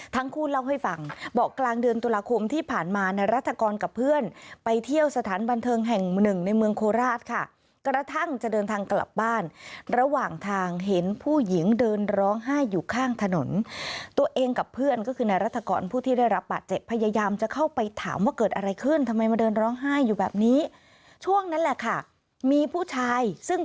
ทั้งคู่เล่าให้ฟังบอกกลางเดือนตุลาคมที่ผ่านมานายรัฐกรกับเพื่อนไปเที่ยวสถานบันเทิงแห่งหนึ่งในเมืองโคราชค่ะกระทั่งจะเดินทางกลับบ้านระหว่างทางเห็นผู้หญิงเดินร้องไห้อยู่ข้างถนนตัวเองกับเพื่อนก็คือนายรัฐกรผู้ที่ได้รับบาดเจ็บพยายามจะเข้าไปถามว่าเกิดอะไรขึ้นทำไมมาเดินร้องไห้อยู่แบบนี้ช่วงนั้นแหละค่ะมีผู้ชายซึ่ง